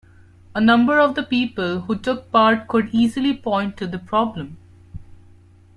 A number of the people who took part could easily point to the problem